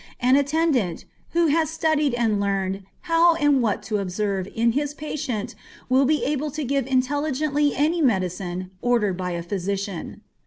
An attendant, who has studied and learned, "how and what to observe" in his patient, will be able to give intelligently any medicine ordered by a physician.